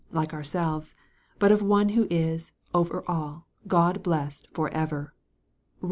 I. 3 like ourselves, but of one who is " over all, God blessed for ever." (Bom.